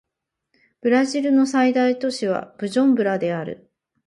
ブルンジの最大都市はブジュンブラである